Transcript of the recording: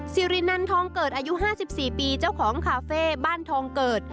สิรินันทองเกิดอายุ๕๔ปีเจ้าของคาเฟ่บ้านทองเกิด